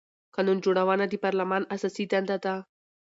قانون جوړونه د پارلمان اساسي دنده ده